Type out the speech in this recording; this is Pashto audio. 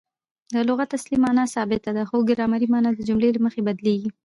د لغت اصلي مانا ثابته ده؛ خو ګرامري مانا د جملې له مخه بدلیږي.